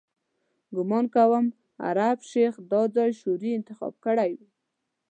ګومان کوم عرب شیخ دا ځای شعوري انتخاب کړی وي.